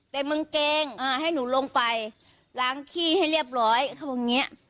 แต่มันเกรงให้หนูลงไปล้างขี้ให้เรียบร้อย